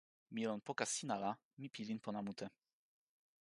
mi lon poka sina la mi pilin pona mute.